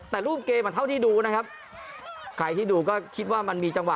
แต่รูปเกมอ่ะเท่าที่ดูนะครับใครที่ดูก็คิดว่ามันมีจังหวะ